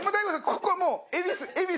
ここはもう恵比寿の。